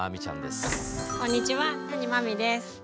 こんにちは谷真海です。